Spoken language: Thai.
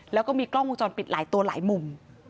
แล้วก็มีกล้องวงจรปิดหลายตัวหลายมุม